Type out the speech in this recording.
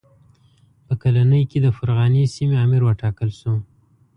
په کلنۍ کې د فرغانې سیمې امیر وټاکل شو.